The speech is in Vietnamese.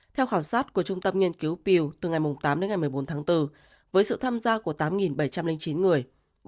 theo khảo sát của trung tâm nghiên cứu pial từ ngày tám đến ngày một mươi bốn tháng bốn với sự tham gia của tám bảy trăm linh chín người